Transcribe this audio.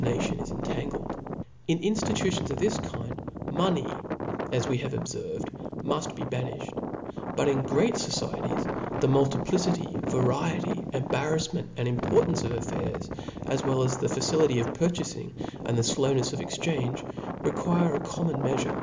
nation is incangled. In inftitutions of this kind, money, as we have above obferved, muft be banifbed. But in great focietieSy the multiplicity, variety, embarraifment^ and importance of affairs, as well as the facility of purchafing, and the ilownefs of exchange, re' quire a common meafure.